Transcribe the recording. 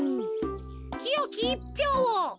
きよきいっぴょうを。